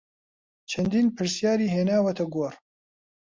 چەندین پرسیاری هێناوەتە گۆڕ